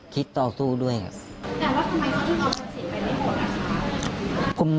คิดต่อสู้ด้วยครับ